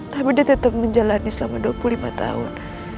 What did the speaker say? tapi dia tetap menjalani selama dua puluh lima tahun